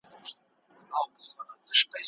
مثبت خلګ ستاسو د بریا لامل کیږي.